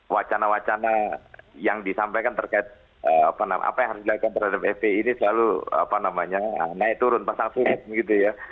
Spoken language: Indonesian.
wacana wacana yang disampaikan terkait apa yang harus dilakukan terhadap fpi ini selalu naik turun pasang surut gitu ya